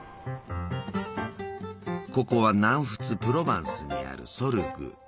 ここは南仏プロヴァンスにあるソルグ。